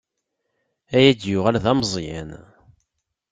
Ad iyi-d-yuɣal d ameẓyan.